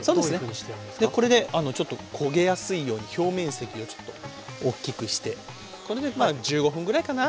これでちょっと焦げやすいように表面積をちょっとおっきくしてこれでまあ１５分ぐらいかな。